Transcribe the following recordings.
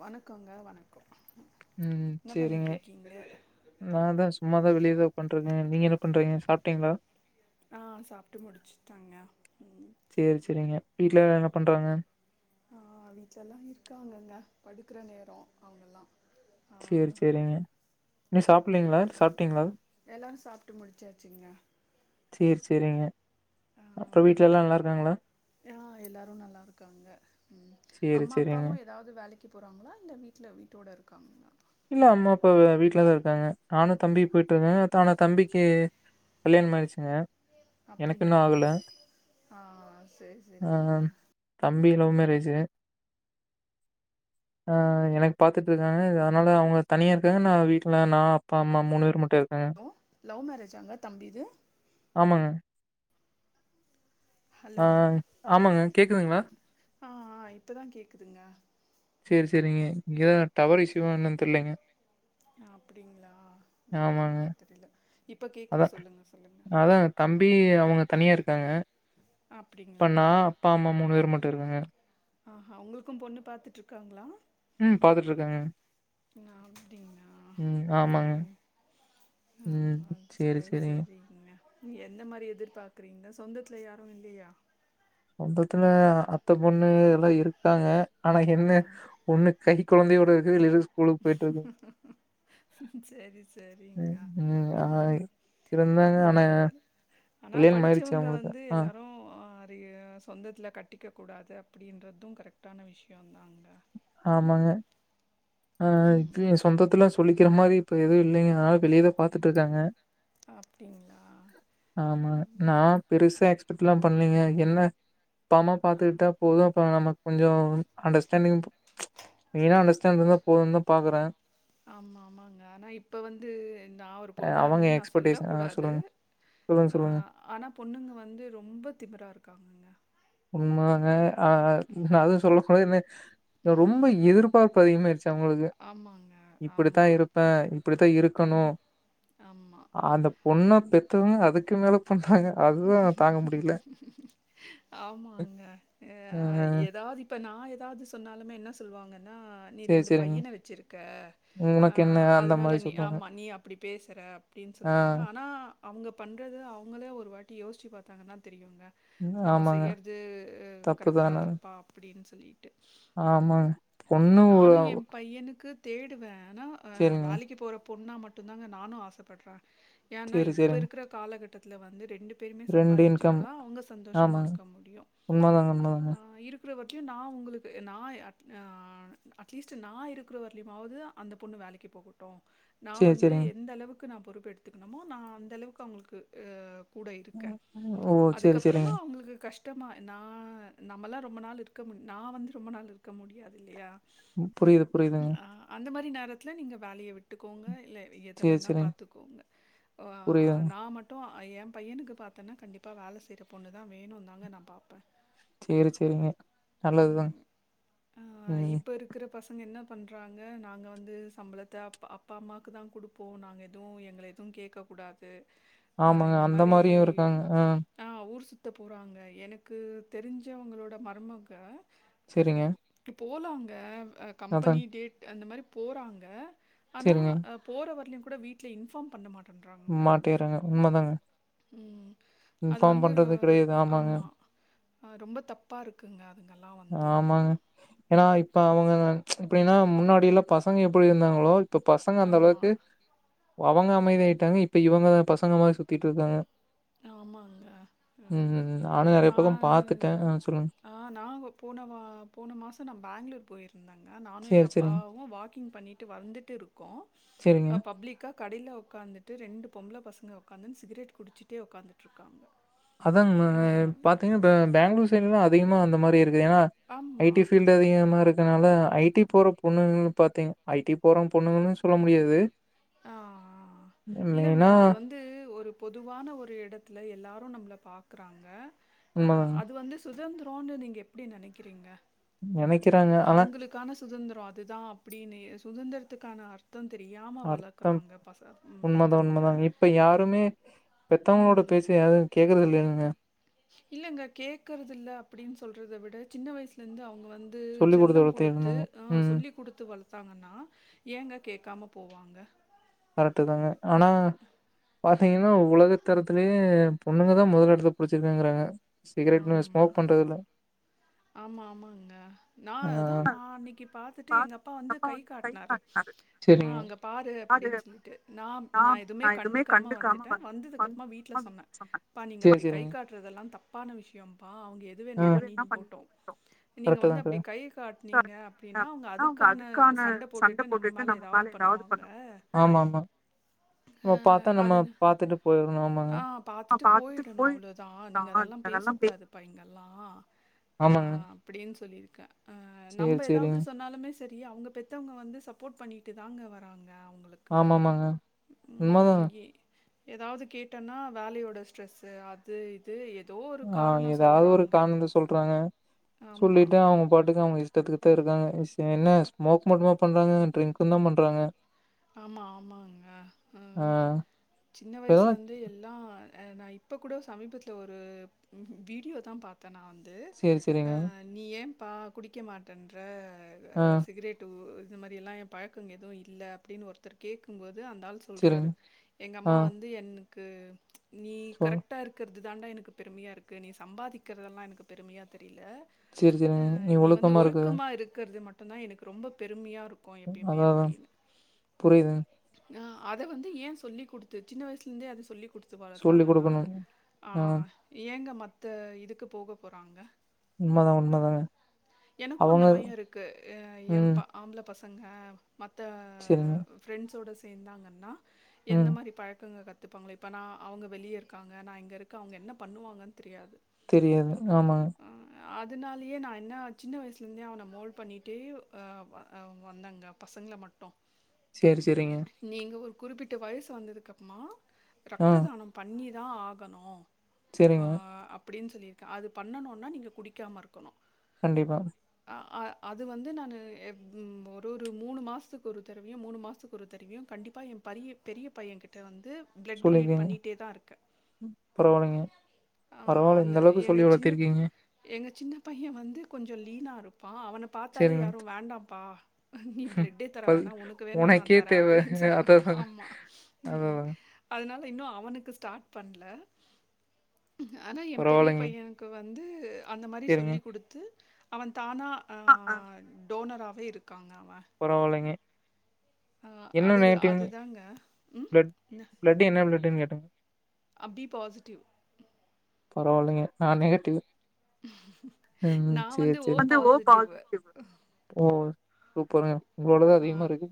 வணக்கங்க வணக்கம் உம் என்ன செரிங்க பண்ணிகிட்ருக்கீங்க நான் தான் சும்மாதான் வெளியேதான் உக்காந்துட்டிருக்கேன் நீங்க என்ன பண்றீங்க சாப்பிட்டீங்களா ஆ சாப்பிட்டு முடிச்சுட்டங்க உம் வீட்டுல எல்லா என்ன பண்றாங்க ஆ வீட்லல்லா இருக்காங்கங்க படுக்குற நேரோ அவங்கல்லா செரி செரிங்க இன்னு சாப்லீங்களா ஆம், சாப்பிட்டீங்களா எல்லாரும் சாப்பிட்டு முடிச்சாச்சுங்க செரி செரிங்க ஆ ஆ எல்லாரு நல்லா இருக்காங்க உம் சேரி அம்மா சேரிங்க அப்பாவு ஏதாவது வேலைக்கு போறாங்களா இல்ல வீட்ல வீட்டோட இருக்காங்களா காங்கல இல்ல அம்மா அப்பா வீடல தா இருக்காங்க நானு தம்பி போயிட்டுங்க ஆனா தம்பிக்கு கல்யாணம் ஆயிடுச்சுங்க எனக்கு இன்னு அப்படிங்களா ஆகல ஆ செரி செரிங்க லவ்மேரேஜு ஆ எனக்கு பாத்துட்டிருக்காங்க [unintelligible] அதனால அவங்க தனியா இருக்காங்க நா வீட்டுல நா அப்பா அம்மா மூணு பேர் மட்டு இருக்காங்க ஹலோ லவ் மேரேஜாங்க தம்பிது ஆமாங்க ஹலோ ஆ ஆமாங்க கேக்குதுங்களா ஆ இப்பதா கேக்குதுங்க சரி சரிங்க இங்கதா டவர் இஸ்ஸுவா என்னனு தெரியல்லைங்க அப்படிங்களா ஆமாங்க ஆ தெரியல இப்போ அதா கேட்குது சொல்லுங்க சொல்லுங்க அதா தம்பி அவங்க தனியா இருக்காங்க இப்ப அப்படிங்களா நா அப்பா அம்மா மூணு பேர் மட்டு இருக்கங்க ஆ ஆ உங்களுக்கு பொண்ணு பாத்துட்டு இருக்காங்களா உம் பாத்துட்டு இருக்காங்க ஆ அப்படிங்களா உம் ஆமாங்க ம் உம் செரி செரிங்க நீ எந்த மாரி எதிர்பாக்குறீங்கா சொந்தத்துல யாரு இல்லையா சொந்தத்துல அத்த பொண்ணு எல்லா இருக்காங்க ஆனா ஆ என்ன ஒண்ணு கை கொழந்தையோட இருக்கு [unintelligible] சரி சரிங்க ம் ம் ஆ இருந்தாங்க. இல்ல ஆனா அந்த மாரி ஆனா கல்யாணம் ஆயிருச்சு படிச்சவங்க அவங்களுக்கு. வந்து ஆ எல்லாரு ரைய சொந்தத்தில கட்டிக்க கூடாது அப்படின்றது கரெக்டான விஷயோ தாங்க ஆமாங்க ஆ இது ம் சொந்தத்துல சொல்லிக்கிற மாரி இப்ப எதுவு இல்லைங்க அதனால வெளியதா பாத்துட்டு இருக்காங்க அப்டிங்களா? ஆமா நா ம். பெருசா எக்ஸ்பர்ட் எல்லா பண்ணலீங்க என்ன அப்பா அம்மா ஆ பாத்துக்கிட்டா போது அப்றோ நம்ம கொஞ்சு அண்டர்ஸ்டாண்டிங் ம்ச் மெயினா அண்டர்ஸ்டாண்டு இருந்தா போதுன்தா பாக்கறே ஆமா ஆமாங்க ஆனா இப்போ வந்து நா ஒரு பொண்ணா அவங்க இருந்து நா சொல்ல எக்ஸ்பெக்டேஷன் ஆ கூடாது சொல்லுங்க. சொல்லுங்க, சொல்லுங்க. ஆனா பொண்ணுங்க வந்து ரொம்ப திமிரா இருக்காங்கங்க உண்மதாங்க ஆ நா அதா சொல்ல [unintelligible] ரொம்ப எதிர்பாக் இப்ப அதிகமாயிருச்சு உங்களுக்கு ஆமாங்க. இப்படித்தா ஆமா. இருப்பே இப்படித்தா இருக்கணு ம். ஆமா. அந்த பொண்ணு பெத்தவங்க அதுக்கு மேலப் பண் ஆமாங்க அ ஏதாவது நா ஏதாவது சொன்னாலுமே என்ன சொல்வாங்க அதா நீ சரி, ரெண்டு சரிங்க. பையன வச்சிருக்க ஆ உனக்கு என்ன அந்த மாரி அதனால நீ சொல்றாங்க. ஆமா நீ அப்படி பேசுற அப்டின்னு ஆ சொல்லுவாங்க ஆனா அவங்க பண்றது அவங்களே ஒரு வாட் யோசிச்சு பாத்தங்கன்னா தெரியும் நம்ம ஆமாங்க. செய்யறது தப்பு கரெக்டா தான. தப்பா அப்படின்னு சொ லி ஆமாங்க பொண்ணு ஊ தேடுவே ஆனா அ வேலைக்கு போற பொண்ணா மட்டும் தாங்க நானு ஆசப்படுறே ஏன்னா சரி, இப்ப சரிங்க. இருக்கிற காலகட்டத் ல வந்து ரெண்டு பேருமே இன்கம். சம்பாதிச்சாதா அவங்க சந்தோஷமா ஆமாங்க இருக்க முடியும் உண்மதாங்க அ உண்மதாங்க இருக் கற விட்யு நா உங்களுக்கு நா அட் ஆஹ் அட்லீஸ்ட் நா இருக்கிற வரலயையும்மாவது அந்த பொண்ணு வேலைக்கு போகட்டு நா சேரி வந்து சேரிங்க எந்த அளவுக் கு நா பொறுப்பு எடுத்துக்கணுமோ நா அந்த அளவுக்கு அவங்களுக்கு ஆஹ் கூட இருக்கேன். ஓ சேரி சேரிங்க டமா நா நம்மலா ரொம்ப நாள் இருக்க மு நா வந்து ரொம்ப நாள் இருக்க முடியாது இல்லையா புரியுது புரியுதுங்க விதத்துல நீங்க வேலைய விட்டுக்கோங்க இல்ல எத சேரி வேன்னா சேரிங்க பாத்துக்கோங்க ஆஹ் புரியுதுங்க நா மட்டு என் பையனுக்கு பா த்தனா கண்டிப்பா வேல செய்ற பொண்ணு தா வேணுந்தாங்க நா பாப் சேரி சேரிங்க நல்லதுதாங் ஆ உம் இப்ப இருக்கிற பசங்க என்ன பண்றாங்க நாங்க வந்து சம்பளத்த அப் அப்பா அம்மாவுக்கு தா கொடுப்போ நாங்க எதுவு எங்கள எதுவு கேட்கக்கூடாது அ ஆமாங்க இந்த அந்த மாரி மாரியு இருக்காங்க ஆஹ் ஆ ஊர் சுத்த போறாங்க எனக்கு தெரிஞ்சவங்களோட மருமக சேரிங்க போலங்க அ கம்பெனி அதாங்க டேட் அந்த மாரி போறாங்க ஆனா சேரிங்க அ போற வரலியு கூட வீட்ல இன்ஃபாம் பண்ணமா மாட்டேறாங்க உண்ம தாங்க உம் இன்ஃபாம் பண்றது கிடையாது ஆமாங்க அ ரொம்பா தப்பா ருக்குங்க அ ஆமாங்க ஏன்னா இப்ப அவுங்க ச்ச எப்டீனா முன்னாடியெல்ல பசங்க எப்படி இருந்தாங்களோ இப்ப பசங்க ஆமா. அந்தளவுக்கு அவங்க அமைதி ஆயிட்டாங்க இப்ப இவங்க தா பசங்க மாரி சுத்திட்டுருக்காங்க ஆமாங்க அ நானு நெறைய பக்கோ நானு பாத்துட்டே வந்து ஆ சொல்லுங்க அ நாங்க போன வா போன மாசோ நா பேங்ளூர் போயிரு இருந்தாங்க நானு சேரி எங்கள் சேரிங்க அப்பாவு வாக்கிங் பண்ணிட்டு வந்துட்டுருக்கோ சேரிங்க அ பப்ளிக்கா கடில உக்காந்துட்டு ரெண்டு பொம்பள பசங்க உக்காந்துன் சிகரெட் குடிச் டு உட்காந்துட்டுருக்காங்க அதாங்கங்க [unintelligible] பாத்தீங்ன்னா ம் பேங்களூர் சைட் ல்லா அதிகமா அந்த மாரி இருக் ஏன்னா ஐ ஆமா. டி ஃபீல்டு அதிகமாருக் அதனால ஐடி போற பொண்ணுங்கனு பாத்தீங்க ஐடி போற பொண்ணுங்கன்னு சொல்ல முடியாது அ இல்லங்க மெயினா அது வந்து ஒரு பொதுவான ஒரு இடத்துல எல்லாரு நம்ப்ள பாக்குறாங்க அ உண்மதாங்க. அது வந்து சுதந்தி [unintelligible] நீங்க எப்படி நெனைக்கிறீங்க ச்ச் எ நெனைக்கிறாங்க. ஆனா அவுங்களுக்கான சுதந்திரோ அதுதா அப்டீனு எ சுதந்திர [unintelligible] [unintelligible] தெரியாம வளர்க்குறாங்க பச ம் உண்மதா பெத்தவங்க. உண்மதா இப்ப யாருமே பெத்தவங்களோட ம். பேச்சயாரு கேக்குறது [unintelligible] இல்லங்க கேக்குறதுல்ல அப்படின் சொல்றத விட சின்ன வய்சல இந்து அவுங் அவங்க வந்து சொல்லிக் செல்லம் குடுத்து வளர்த்திருந்தாங்க. அ ம். சொல்லி குடுத்து வளர்த்தாங்கன்னா ஏங்க கேக்காம போவாங்க கரெக்ட் தாங்க ஆனா பாத்தீங்கன்னா உலகத்தரத்திலயே பொண்ணுங்கதான் முதல் இடத்தை புடிச்சிருக்கிறாங்க சிகரெட்டும் ஆமா. ஸ்மோக் பண்றது இல்ல ஆமா ஆமாங்க ஆ. நான் அதான் அத நான் அன்னைக்கு பாத்துட்டு எங்க அப்பா வந்து கை காட்னாரு அம்மா அங்க பாரு அது அப்படின்னு சொல்லிட்டு நான் நான் எதுவுமே கண்டுக்காம வந்துட்டே வந்ததுக்கப்புறமா வீட்டில் சொன்னே அப்பா நீங்கள் அப்படி கை காட்டுறதெல்லாம் தப்பான விஷயம்ப்பா அவுங்க எது ஆ. வேணா எதுன்னா பண்ணிட்டு பண்ணி போட்டூ நீங்க கரெக்ட்டு வந்து தான் அப்டி கை கரெ காட்டினீங்க அப்டின்னா அவுங்க அதுக்கான சண்ட போட்டுட்டு நம்ம மேல ஏதாவது பண்ணுவாங்க நம்ம அஹ் பாத்தா நம்ம அது பாத்துட்டு போயிரணும். ஆமாங்க. ஆஹ் ஆ பார்த்தட்டு பாத்துட்டு போயிடணும் போயிடணுமஅவ்வளவுதான் நீங்க அவ்ளோதான். அதெல்லாம் பேச பே கூடாதுப்பா இங்க எல்லாம் ஆமாங்க. ஆஹ் அப்படின்னு சொல்லி க சரி, நம்ம ஏதாவது சரிங்க. சொன்னாலுமே செரி அவங்க பெத்தவங்க வந்து சப்போர்ட் பண்ணிட்டு தாங்க வராங்க அவங்களுக்கு. ஆமாமாங்க உண்ம ம் தான் எ ஏதாவது கேட்டேன்னா வேலையோட ஸ்ட்ரெஸ்ஸு அது இது எ ஆஹ ஏதாவது ஒரு காரணத்த சொல்றாங்க ஆமா. சொல்லிட்டு அவுங்க பாட்டுக்க அவங்க த இருக்காங்க என்ன ஸ்மோக் மட்டுமா பண்றாங்க ட்ரிங்க்ஸ் தான் பண்றாங்க ஆமா ஆமாங்க ஆ சின்ன வயசுல இப்பலாம் இருந்தே எல்லா நான் இப்போ கூட சமீபத்தில் ஒரு வீடியோ தான் பார்த் நான் வந்து சேரி சேரிங்க நீ எ ப்ப குடிக்க மாட்டேன்ற ஆ சிகரேட் ரு இது மாரி எல்லா என் பழக்கம் எதுவு இல்ல அப்டின்னு ஒருத்த கேகும்போது அந்தால் சொல்றாரு சேரிங்க எங்க ஆ அம்மா வந்து எனக் [unintelligible] நீ சொல் கரெக்டா இருக்குற இதான்ட எனக் பெருமையா இருக்கு நீ சம்பாதிக்கிற தெல்லா எனக்கு பெருமையா தெரிய சேரி சேரிங்க இந்த நீ வந்து இருக்கு ஒழுக்கமா இருக்கிற மட்டு தான் எனக்கு ரொம்ப பெருமையா இருக் பக்கம் எப்பயுமே அப்படின்னு புரிது ஆது வந்து ஏ சொல்லி கொடுத்து சின்ன வயசுல இருந்தே அத சொல்லி கொடுத்து சொல்லி வளத்தாங்கன்னா குடுக்கணு ஆ ஏங்க ம இந்த இதுக்கு போக போறாங்க உண்ம தா உண்ம தாங்க எனக்கு அந்த பயே இருக்கு எம் ம் ஆம்பல பசங் அங்காப் மத்த சேரிங்க ஃப்ரெண்ட்ஸோட சேர்ந்தாங்கன்னா எந்த ம் மாதிரி பழக்கங்க க இப்போவுங்களே இப்ப நா அவுங்க வெளியே இருக்காங்க நா இங்கே இருக்க அவுங்க என்ன பண்ணுவாங்க தெரியாது தெரியாது ஆமா அ அதனாலயே நா என்ன சின்ன வயசுலேருந்தே அவன மோல்டு பண்ணிகிட்டே அ அ வந்தாங்க பசங்கள மட்டு செரி செரிங்க குறிப்பிட்ட வயசு வந்ததுக்க அப்புறமா ரத்ததானோ பன்னீர் தா ஆகணு ஆ செரிங்க அப்டின்னு சொல்லியிருக்கே அது பண்ணணுன்னா நீங்க குடிக்காமருக்கணு கண்டிப்பா அ அது வந்து நானு ஒரு ஒரு மூணு மாசத்துக்கு ஒரு தடவியையு மூணு மாசத்துக்கு ஒரு தவையு கண்டிப்பாக எ பரிய பெரிய பைய கிட்ட வந்து பிளட் டொனேட் சொல்லிருக்கீங்க பண்ணிட்டே தா இருக்கே பரவால்லைங்க அ பரவால்ல அந்த இந்த அளவுக்கு எங்க சொல்லி சின்ன பி வளத்திருக்கீங்க எங்க சின்ன சின்ன பைய வந்து கொஞ்சோ லீனாருப் ப்பா அவன பாத்தாலே சேரிங்க யாரு வேண்டாம்ப்பா நீ ப்ளட்டே தர பல் வேனா உனக்கு வேணா நா உனக்கே தரே தேவ அப்டின்னு சொன்ன அதா அதாங்க ஆமா அதா ம் அதாங்க அதனால இன்னு அவனுக்கு ஸ்டார்ட் பண்ல ஆனா எ பெரிய பரவால்லைங்க பையனுக்கு வந் ந்து அந்த மாரி சொல்லி் குடுத்து அவ தானா ஆ அ அ டோனராவே இருக் காங்க அவ அ என்ன அது நேட்டிவ் அதுதாங்க உம் பிளட் ன்னா பிளட் என்ன பிளட்டுன்னு கேட்டங்க அ பி பாசிட்டிவ் பரவாயில்லேங்க நா நெகட்டிவ் உம் நா சேரி வந்து ஓ பாசிட்டிவ் சேரி ஓ சூப்பருங்க உங்களோடதா அ அதிகமா இருக்கு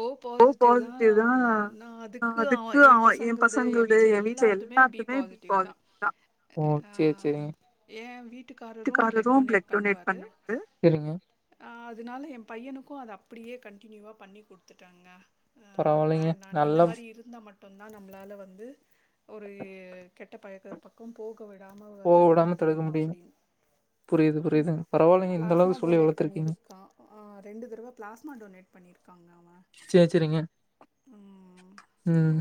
ஓ பாசிட்டிவ் தா நா அதுக்கு அவ ஏம் பசங்கள்து ஏ வீட்ல எல்லார்துமே பி பி பாசிடிவ் தா ஓ அ சேரி சேரிங்க எ சேரிங்க அதுனால ஏம் பையனுக்கு அத அப்டியே கன்டினியூவா பண்ணி குடுத்துட்டாங்க பரவால்லேங்க நல்ல மட்டுந் தா நம்ளால வந்து ஒரு கெட்ட பழக்க பக்கம் போ க விடாம போக தடுக்க விடாம முடியும் முடியுது அப்டின் புரியுது ம் புரியுதுங்க பரவாயில்லைங்க இந்த ப்ளாஸ்மா அளவுக்கு சொல்லி டொனேட் வளர்த்துருக்கீங்க பண்ணியிருக்கா ஆ ரெண்டு தடவ ப்ளாஸ்மா டொனேட் பண்ணியிருக்காங்க அவ சேரி சேரிங்க ம் ம்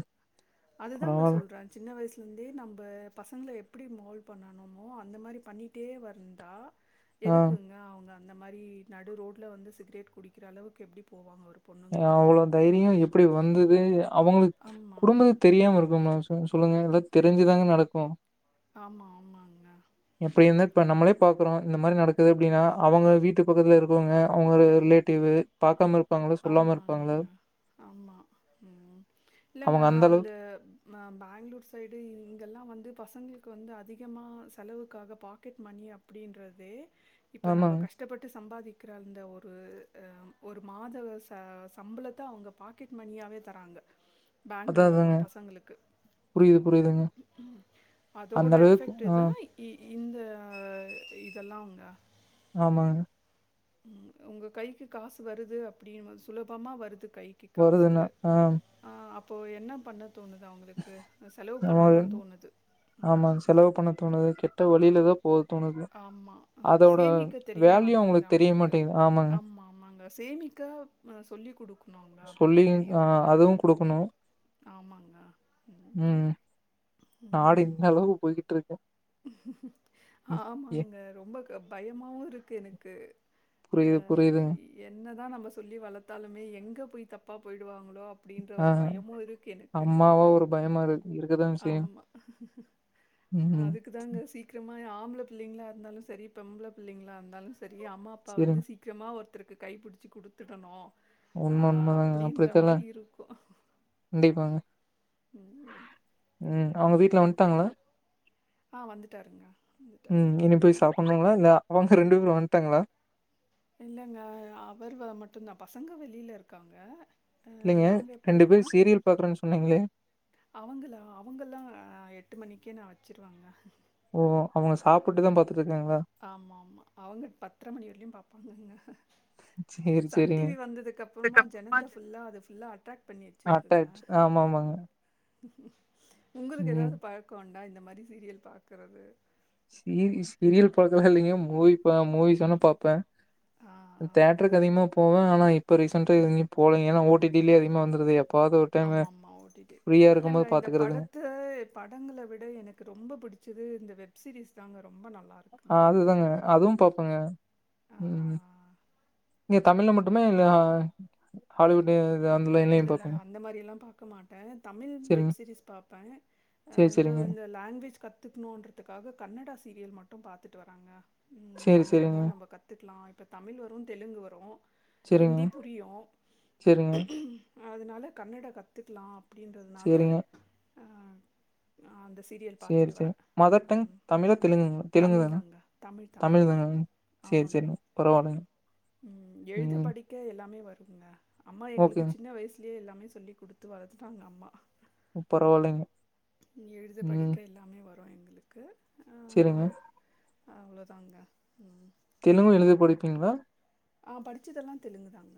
அதுதாங்க பரவால்ல சொல்ற சின்ன வயஸ் லேந்தே நம்ப பசங்கள எப்டி மோல் பண்ணணுமோ அந்த மாரி பண்ணிட்டே வந்தா ஆ எதுக்குங்க அவுங்க அந்த மாரி நடு ரோட்ல வந்து சிகிரெட் குடிக்கிற அளவுக்கு எப்டி போவாங்க [unintelligible] அவ்ளோ இருந்தாலு தைரியொ எப்டி வந்து து அவங்களுக் ஆமா குடும்பத்துக் தெரியாம இருக்குமா சொ சொல்லுங்க எல்லா தெரிஞ்சுதாங்க நடக்கு ஆமா ஆமாங்க எப்டி உம் இருந்தா இப்ப நம்மளே பாக்குறோம். இந்த மாரி நடக்குது அப்டின்னா அவங்க வீட்டு பக்கத்துல இருக்கவங்க அவங்க லி ரிலேட்டிவு பாக்காம இருப்பாங்க ஆமாங்க ஆமா ம் இல்லங்க அவங்க அந்த அளவுக்கு அ பேங்ளூர் சைடு இங்கெல்லா வந்து பசங்களுக்கு வந்து அதிகமா செலவுக்காக பாக்கெட் மணி அப்டின்றது இப்ப நம்ப ஆமாங்க. கஷ்டப்பட்டு சம்பாதிக் கிற அந்த ஒரு அ ஒரு மா த ச சம்பளத்த அவுங்க பாக்கெட் மணியாவே தராங்க அதான் பேங்களூர்லலா அதாங்க. பசங்களுக்கு புரியுது புரியுதுங்க. அந்த அதோட அளவுக்கு எஃபெக்ட்டு ஆ தா இ இந்த இ இதெல்லா அவங்க ஆமாங் உம் உங்க கைக்கு காசு வருது அப்டின்னு சுலபமா வருது கைக்கி காசு வருதுன்னா ஆ ஆ அப் இப்போ என்ன பண்ண தோணுது அவுங்களுக்கு செலவு பண்ணதா தோணுது ஆமாங் செலவு பண்ணத் தோணுது கெட்ட வழியிலதா ஆமா ம் சேமிக்க தெரிய வேல்யூ மாட்டன்து அவங்களுக்கு தெரிய அவுங்களுக்கு மாட்டேங்குது. ஆமாங்க. ஆமா ஆமாங்க சேமிக்க அ சொல்லிக் குடுக்கணுங்க சொல்லி ஆ பெரியவங்க அதுவும் குடுக்கணும். ஆமாங்க ம் நாடு இந்த அளவுக்கு போய்கிட்டு இருக்கு ம் ஏ ஆமாங்க ரொம்ப க பயமாவும் இருக்கு எனக்கு புரியுது ம் புரியுதுங்க என்ன தான் நம்ம சொல்லி வளத்தாலுமே எங்க போய் தப்பா போயிடுவாங் ஹோ அப்படின்ற ஆ ஒரு பயமும் இருக்கு எனக்கு அம்மாவா ஒரு பயமா இருக்கு இருக்கதாங்க செய்யு ஆமா ம் அதுக்கு தாங்க சீக்கிரமா ஆம ஆம்பளபிள்ளைங்களா இருந்தாலும் சரி பொம்பளை பிள்ளைங்களா இருந்தாலும் சரி சரி அம்மா அப்பா சேரிங்க வந்து சீக்கிரமா ஒரு ஒருத்தக்கு கைப்பிடிச்சி கொடுத்துடணும் உண்மை உண்மைதாங்க அப்படித்தா எல்லாம் இருக்கும். கண்டிப்பாங்க ம். ம் அவங்க வீட்டுல வந்துட்டாங்களா ஆஹ வந்துட்டாருங்க வந்துட்டாரு. ம் இனி போய் சாப்புட்னுங்களா இல்ல அவங்க ரெண்டு பேரும் வந்ட்டாங்களா இல்லங்க அவர் வ மட்டு்தா பசங்க வெளியில இருக்காங்க அ இல்லைங்க நாங்க எப்புடி ரெண்டு அ பேர் சீரியல் பாக்குறேன்னு சொன்னீங்களே அவங்களா அவங்கல்லா அ எட்டு மணிக்கே நா வச் ச்சிருவாங்க ஓ அவங்க சாப்புட்டுதா பாத் ஆமா ஆமா அவுங்க பத்தர மணிவெரிலியும் பாப்பாங்கங்க சேரி சன் டி சேரிங்க வி வந்துதுக்கப்புறமா அதுக்கப்புறமா ஜனத்த ஃபுல்லா அது ஃபுல்லா அட்ரக்ட் பண்ணி வெச்சிருக்குங்க அட்டாச் ஆமா ஆமாங்க உங்குளுக்கு ம் ஏதாவது பழக்கொண் டா இந்த மாரி சீரியல் பாக்கறது சீரிஸ் சீரியல் பழக்கல்லா இல்லைங்க மூவி ப மூவிஸ் வேண்னா பாப்பே ஆ ம் தேட்டருக்கு அதிகமா போவே ஆனா இப் ப்ப ரீசன்டா ங்க எங்கியும் போலங்க நா ஓ டி டிலே அதிகமா வந்துருது எப் ஆமா ஆமா ஓ டி டி போது இல்லங்க இந்த பாத்துக்கறதுங்க படத்த படங்கள விட எனக்கு ரொம்ப புடிச்சது இந்த வெப் சீரிஸ் தாங்க ரொம்ப நல் ஆ அதுதாங்க அது பாப்போங்க ம். ஆ. நீங்க தமிழ்ல மட்டுமே இல்ல அ அ இல்ல இல்ல அந்த மாரிலா பாக்க மாட்டே தமிழ் சரிங்க வெப் சீரிஸ் பாப்பே ஆ சேரி சரிங்க இந்த லாங்குவேஜ் கத்துக்கணுன்றதுக்காக கன்னட சீரியல் மட் ட்டு பாத்துட்டு வராங்க. ம் சேரி கன்னடமு சரிங்க நம்ம கத்துக்கலா இப்ப தமிழ் வரு தெலுங்கு வரு ஹிந்தி புரியு செரிங்க. அதனால கன்னட கத்துக்கலா அப் ப்டின்றதுனால சரிங்க ஆ அந்த ஸ் செரி செரி மதர் டங் தமிழா தெலுங்குங்களா தெலுங்கு தமிழ் தான தாங்க. தமிழ் தா. தான செரி ஆமாங்க. செரிங்க. பரவாலங்க. ம் எழுத படிக்க எல்லா- எல்லாமே வருங்க. அம்மா எங்களுக்கு ஓகேங்க சின்ன வயசுலேயே எல்லாமே சொ சொல்லி குடுத்து வளத்துடாங்க அம்மா. ம் பரவாலங்க. எழுத படிக்க எல்லாமே வரு ப்ரொ எங்குளுக்கு செரிங்க. அவ்ளோதாங்க ம். தெலுங்கு எழுத படிப்பீங்களா. ஆ படிச்சதெல்லா தெலுங்கு தாங்க.